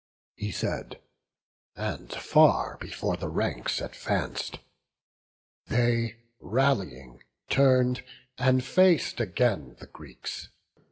He said, and far before the ranks advanc'd; They rallying turn'd, and fac'd again the Greeks.